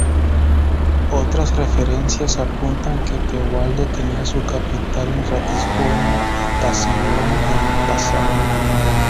Otras referencias apuntan que Teobaldo tenía su capital en Ratisbona y Tasilón en Passau.